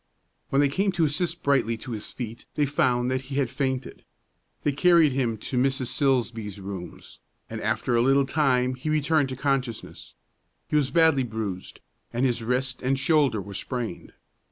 When they came to assist Brightly to his feet they found that he had fainted. They carried him to Mrs. Silsbee's rooms, and after a little time he returned to consciousness. He was badly bruised, and his wrist and shoulder were sprained.